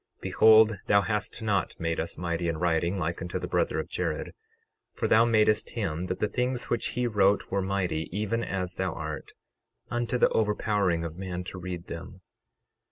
Behold, thou hast not made us mighty in writing like unto the brother of Jared, for thou madest him that the things which he wrote were mighty even as thou art, unto the overpowering of man to read them.